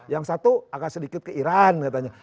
yang satu agak sedikit keiran katanya